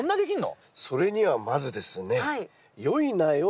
それにはまずですね